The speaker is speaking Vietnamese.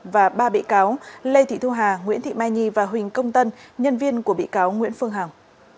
và ba bị cáo lê thị thu hà nguyễn thị mai nhi và huỳnh công tân nhân viên của bị cáo nguyễn phương hằng